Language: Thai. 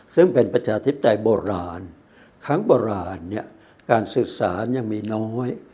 ซึ่งเป็นประชาธิปไตยโบราณครั้งโบราณเนี่ยการสื่อสารยังมีน้อย